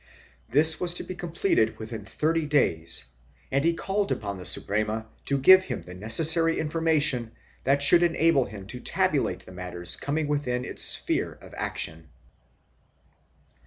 This was to be completed within twenty days and he called upon the Suprema to give him the necessary infor mation that should enable him to tabulate the matters coming within its sphere of action.